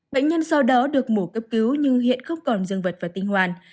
bệnh nhân sau đó được mổ cấp cứu nhưng hiện không còn dương vật và tinh hoàn